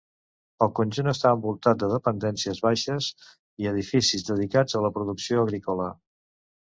El conjunt està envoltat de dependències baixes i edificis dedicats a la producció agrícola.